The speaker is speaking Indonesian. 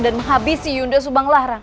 dan menghabisi yunda subanglarang